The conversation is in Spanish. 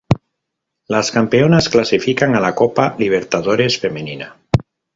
Las campeonas clasifican a la Copa Libertadores Femenina.